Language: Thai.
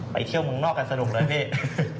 ไปเที่ยวข้างนอกกันสนุกเลยพี่